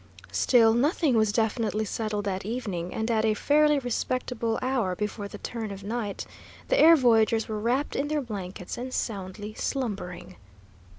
Still, nothing was definitely settled that evening, and at a fairly respectable hour before the turn of night, the air voyagers were wrapped in their blankets and soundly slumbering.